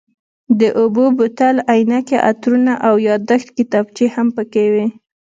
د اوبو بوتل، عینکې، عطرونه او یادښت کتابچې هم پکې وې.